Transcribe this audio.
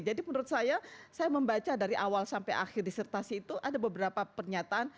jadi menurut saya saya membaca dari awal sampai akhir disertasi itu ada beberapa pernyataan